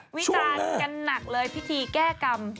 วิจารณ์กันหนักเลยพิธีแก้กรรม